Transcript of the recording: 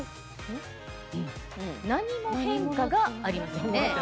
何も変化がありませんね。